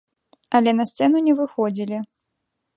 Але на сцэну не выходзілі.